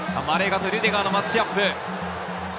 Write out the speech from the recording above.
マレガとルディガーのマッチアップ。